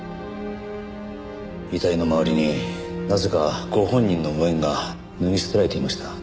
遺体の周りになぜかご本人の上着が脱ぎ捨てられていました。